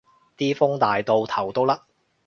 啲風大到頭都甩